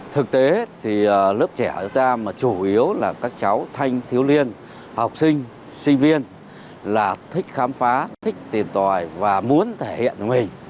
thực tế thì lớp trẻ chúng ta mà chủ yếu là các cháu thanh thiếu liên học sinh sinh viên là thích khám phá thích tìm tòi và muốn thể hiện mình